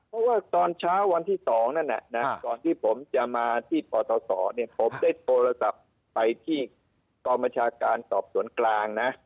เพราะว่าตอนเช้าวันที่๒นั่นก่อนที่ผมจะมาที่ปศผมได้โทรศัพท์ไปที่กรมชาการสอบสวนกลางนะ